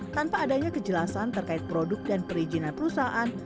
tanpa adanya kejelasan terkait produk dan perizinan perusahaan